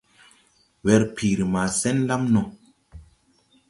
Werpiiri maa sen lam no.